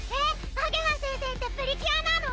あげは先生ってプリキュアなの？